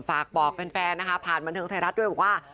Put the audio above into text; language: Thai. ฝากบอกแฟนผ่านบรรเทิงไทยรัฐด้วยว่า